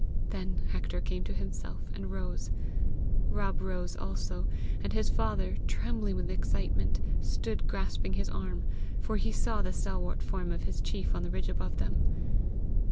Then Hector came to himself and rose. Rob rose also; and his father, trembling with excitement, stood grasping his arm, for he saw the stalwart form of his chief on the ridge above them.